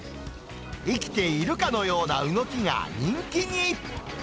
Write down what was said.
生きているかのような動きが人気に。